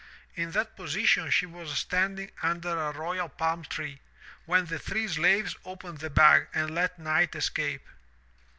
In that position she was standing under a royal palm tree, when the three slaves opened the bag and let night escape.